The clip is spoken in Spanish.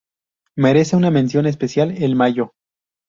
Merece una mención especial el mayo.